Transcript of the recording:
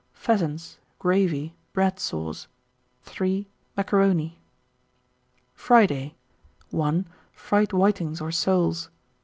Pheasants, gravy, bread sauce. 3. Macaroni. 1900. Friday. 1. Fried whitings or soles.